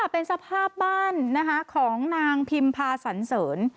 เป็นสภาพบ้านของนางพิมพาสันเสริญ